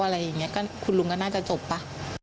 อะไรอย่างนี้ก็คุณลุงก็น่าจะจบป่ะ